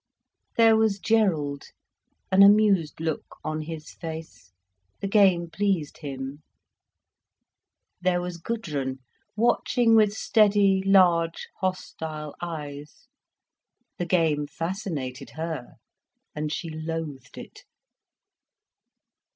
There was Gerald, an amused look on his face; the game pleased him. There was Gudrun, watching with steady, large, hostile eyes; the game fascinated her, and she loathed it.